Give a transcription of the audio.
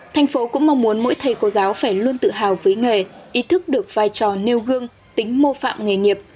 thành phố cũng mong muốn mỗi thầy cô giáo phải luôn tự hào với nghề ý thức được vai trò nêu gương tính mô phạm nghề nghiệp